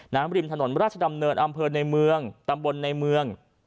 ริมถนนราชดำเนินอำเภอในเมืองตำบลในเมือง